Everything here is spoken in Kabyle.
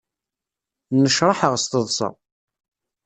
Nnecraḥeɣ s teḍṣa.